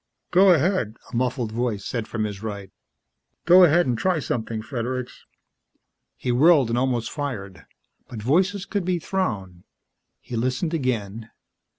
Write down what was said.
"Go ahead," a muffled voice said from his right. "Go ahead and try something, Fredericks." He whirled and almost fired but voices could be thrown. He listened again.